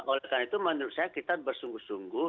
oleh karena itu menurut saya kita bersungguh sungguh